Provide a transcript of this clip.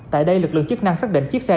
tại đây lực lượng chức năng xác định chiếc xe